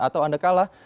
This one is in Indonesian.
atau anda kalah